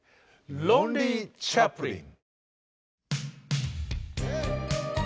「ロンリー・チャップリン」。